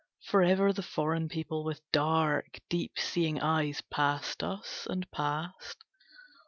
Forever the foreign people with dark, deep seeing eyes Passed us and passed.